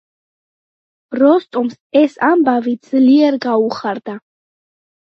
როსტომს ეს ამბავი ძლიერ გაუხარდა.